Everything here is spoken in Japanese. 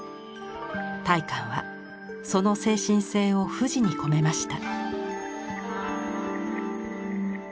大観はその精神性を富士に込めました。